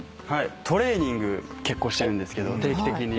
トレーニング結構してるんですけど定期的に。